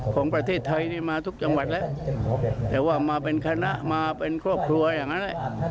ของประเทศไทยนี่มาทุกจังหวัดแล้วแต่ว่ามาเป็นคณะมาเป็นครอบครัวอย่างนั้นแหละ